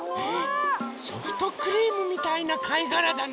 ソフトクリームみたいなかいがらだね。